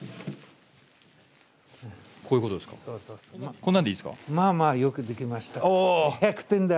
こんなのでいいですか？